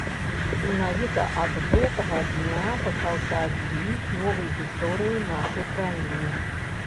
Менавіта ад гэтага дня пачаўся адлік новай гісторыі нашай краіны.